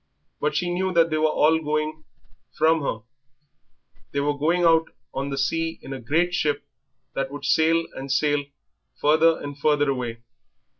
But she knew that they were all going from her, they were going out on the sea in a great ship that would sail and sail further and further away.